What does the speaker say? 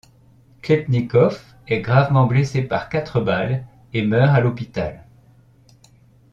Klebnikov est gravement blessé par quatre balles et meurt à l'hôpital.